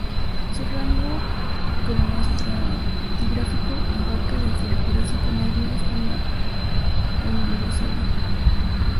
Su rango cronoestratigráfico abarca desde el Jurásico medio hasta la Oligoceno.